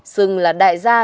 xưng là đại gia